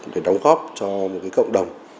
đóng góp cho một cộng đồng